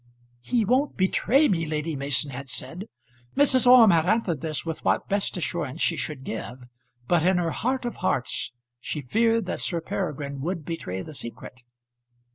"He won't betray me!" Lady Mason had said. Mrs. Orme had answered this with what best assurance she should give; but in her heart of hearts she feared that Sir Peregrine would betray the secret.